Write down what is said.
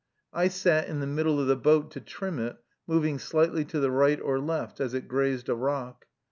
I sat in the middle of the boat to trim it, moving slightly to the right or left as it grazed a rock.